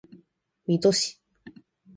水戸市